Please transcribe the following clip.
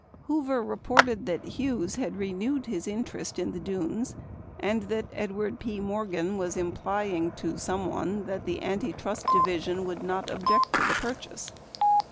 Hoover reported that Hughes had renewed his interest in the Dunes and that Edward P. Morgan was implying to someone that the Anti trust Division would not object to the purchase.